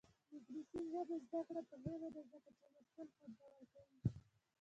د انګلیسي ژبې زده کړه مهمه ده ځکه چې لوستل خوندور کوي.